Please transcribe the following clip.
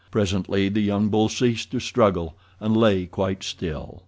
Presently the young bull ceased to struggle, and lay quite still.